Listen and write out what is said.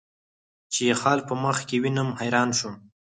چې یې خال په مخ کې وینم، حیران شوم.